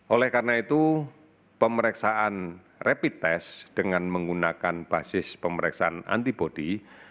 oleh karena itu pemeriksaan rapid test dengan menggunakan basis pemeriksaan antibody